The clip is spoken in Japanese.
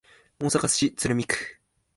大阪市鶴見区